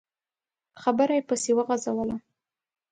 خبره يې پسې وغځوله.